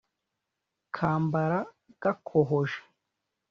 Kambara gakohoje,